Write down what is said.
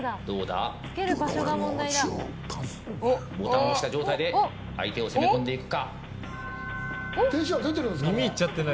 ボタンを押した状態で相手を攻め込んでいくか。